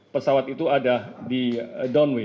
pesawat itu ada di downway